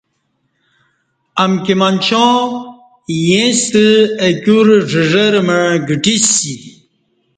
امکی منچاں اِییݩستہ اہ کیور ژژرہ مع گھٹی سی